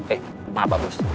eh maaf pak bos